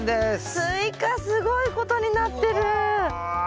スイカすごいことになってる！うわ。